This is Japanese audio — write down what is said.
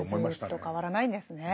はいずっと変わらないんですね。